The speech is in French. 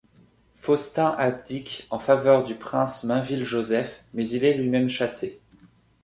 Faustin abdique en faveur du prince Mainville-Joseph mais il est lui-même chassé.